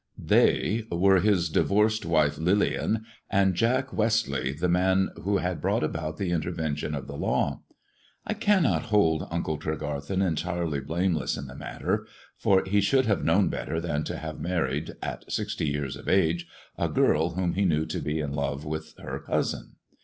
" They " were his divorced wife Lillian, and Jack West eigh, the man who had brought about the intervention of ^e law. I cannot hold Uncle Tregarthen entirely blameless ^ the matter : for he should have known better than to have ^rried, at sixty years of age, a girl whom he knew to be in ^ve with her cousin.